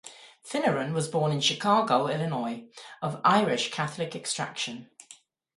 Finneran was born in Chicago, Illinois, of Irish Catholic extraction.